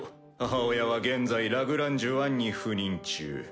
母親は現在ラグランジュ１に赴任中。